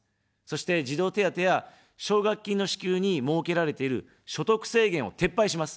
そして、児童手当や奨学金の支給に設けられている所得制限を撤廃します。